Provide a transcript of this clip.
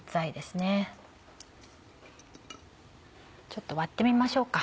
ちょっと割ってみましょうか。